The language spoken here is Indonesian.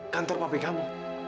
kantor papi kamu